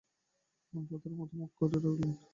মা পাথরের মতো মুখ করে রইলেন।